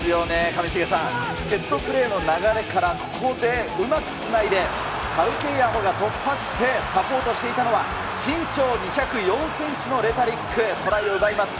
上重さん、セットプレーの流れからここでうまくつないで、タウケイアホが突破して、サポートしていたのは、身長２０４センチのレタリック、トライを奪います。